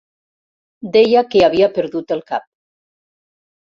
Deia que havia perdut el cap.